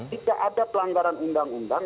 tidak ada pelanggaran undang undang